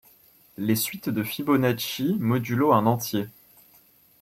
Les suites de Fibonacci modulo un entier.